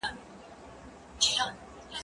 زه سبزیحات تيار کړي دي؟!